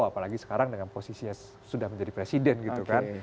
apalagi sekarang dengan posisinya sudah menjadi presiden gitu kan